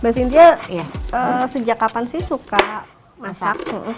mbak cynthia sejak kapan sih suka masak